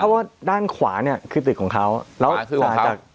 เพราะว่าด้านขวาเนี่ยคือตึกของเขาแล้วคือมาจาก